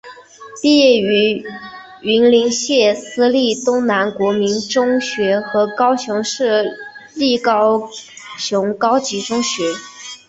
毕业于云林县私立东南国民中学和高雄市立高雄高级中学。